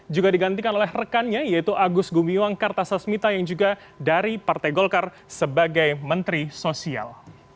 juga digantikan oleh rekannya yaitu agus gumiwang kartasasmita yang juga dari partai golkar sebagai menteri sosial